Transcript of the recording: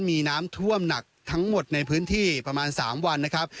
มีน้ำท่วมหนักทั้งหมดในพื้นที่ประมาณ๓วันนะครับ